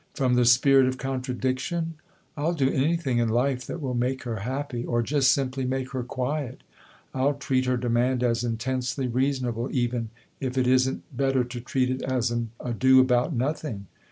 " From the spirit of contradiction ? I'll do anything in life that will make her happy, or just simply make her quiet : I'll treat her demand as intensely reasonable even, if it isn't better to treat it as an ado about nothing.